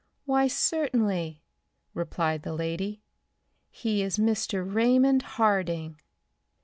"Why, certainly," replied the lady. "He is Mr. Raymond Harding."